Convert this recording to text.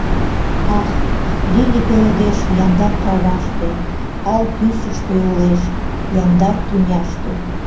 Ах, лилий пеледеш яндар каваште, ал тӱсыштӧ улеш, яндар тӱняште.